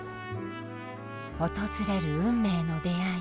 訪れる運命の出会い。